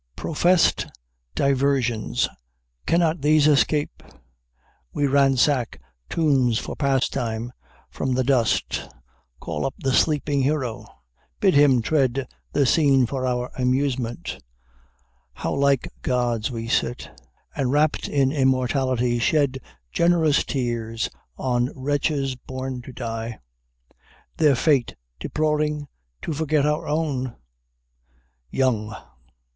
"Professed diversions! cannot these escape? ..... We ransack tombs for pastime; from the dust Call up the sleeping hero; bid him tread The scene for our amusement: How like Gods We sit; and, wrapt in immortality, Shed generous tears on wretches born to die; Their fate deploring, to forget our own!" YOUNG.